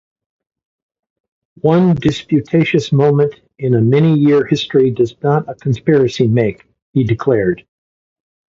"One disputatious moment in a many-year history does not a conspiracy make," he declared.